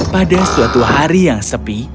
pada suatu hari yang sepi